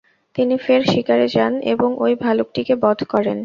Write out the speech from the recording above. তিনি ফের শিকারে যান এবং ঐ ভালুকটিকে বধ করেন।